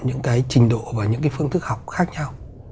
những cái trình độ và những cái phương thức học khác nhau